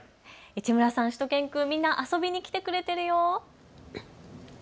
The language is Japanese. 市村さん、しゅと犬くん、みんな遊びに来てくれているよ。